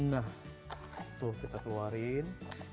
nah tuh kita keluarin